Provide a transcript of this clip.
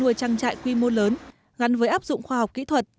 nuôi trang trại quy mô lớn gắn với áp dụng khoa học kỹ thuật